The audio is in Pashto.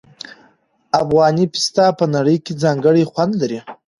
افغاني پسته په نړۍ کې ځانګړی خوند لري.